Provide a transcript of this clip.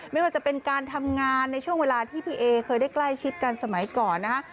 ไม่ว่าจะเป็นการทำงานในช่วงเวลาที่พี่เอเคยได้ใกล้ชิดกันสมัยก่อนนะฮะ